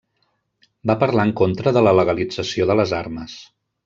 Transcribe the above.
Va parlar en contra de la legalització de les armes.